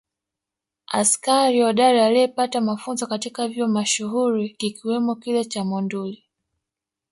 Askari hodari aliyepata mafunzo katika vyuo mashuhuri kikiwamo kile cha Monduli